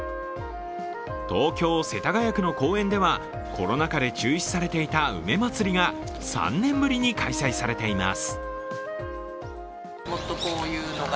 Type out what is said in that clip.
東京・世田谷区の公園ではコロナ禍で中止されていた梅まつりが３年ぶりに開催されています。